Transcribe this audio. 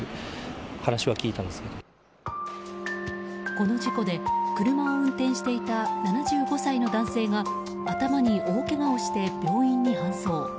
この事故で車を運転していた７５歳の男性が頭に大けがをして病院に搬送。